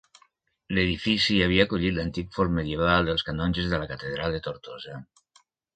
L'edifici havia acollit l'antic forn medieval dels canonges de la catedral de Tortosa.